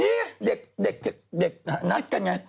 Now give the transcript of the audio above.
เด็กนัดกันไง